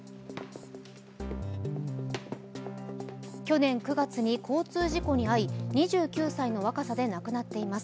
去年９月に交通事故に遭い、２９歳の若さで亡くなっています。